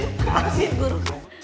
terima kasih guru